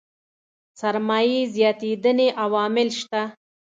سرمايې زياتېدنې عوامل شته.